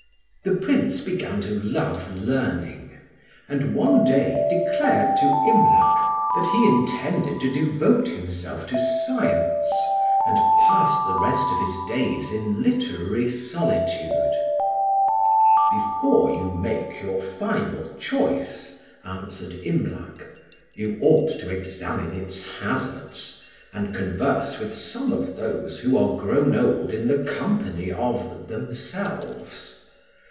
The Prince began to love learning, and one day declared to Imlac that he intended to devote himself to science and pass the rest of his days in literary solitude. "Before you make your final choice," answered Imlac, "you ought to examine its hazards, and converse with some of those who are grown old in the company of themselves.